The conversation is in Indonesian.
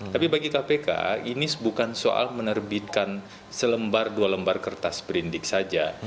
jadi bagi kpk ini bukan soal menerbitkan selembar dua lembar kertas sprendik saja